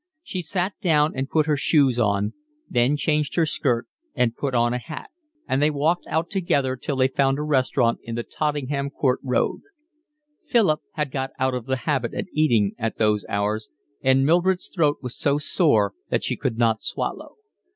She sat down and put her shoes on, then changed her skirt and put on a hat; and they walked out together till they found a restaurant in the Tottenham Court Road. Philip had got out of the habit of eating at those hours, and Mildred's throat was so sore that she could not swallow.